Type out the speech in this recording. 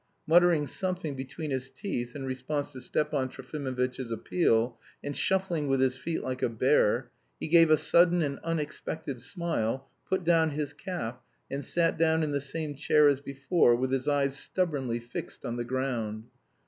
Muttering something between his teeth in response to Stepan Trofimovitch's appeal, and shuffling with his feet like a bear, he gave a sudden and unexpected smile, put down his cap, and sat down in the same chair as before, with his eyes stubbornly fixed on the ground.